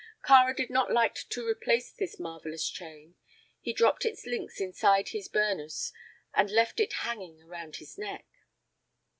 Kāra did not like to replace this marvelous chain. He dropped its links inside his burnous and left it hanging around his neck.